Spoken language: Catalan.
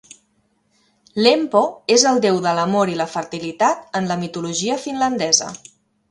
Lempo és el déu de l'amor i la fertilitat en la mitologia finlandesa.